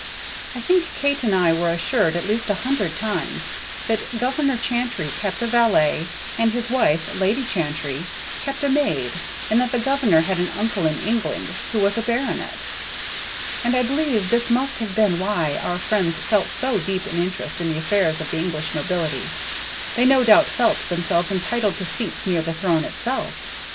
I think Kate and I were assured at least a hundred times that Governor Chantrey kept a valet, and his wife, Lady Chantrey, kept a maid, and that the governor had an uncle in England who was a baronet; and I believe this must have been why our friends felt so deep an interest in the affairs of the English nobility: they no doubt felt themselves entitled to seats near the throne itself.